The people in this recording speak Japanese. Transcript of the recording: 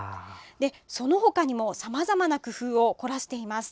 そのほかにも、さまざまな工夫を凝らしています。